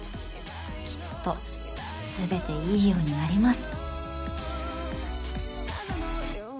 きっとすべていいようになります。